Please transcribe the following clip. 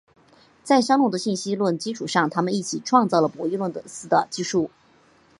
在香农的信息论基础上他们一起创造了博弈论似的技术。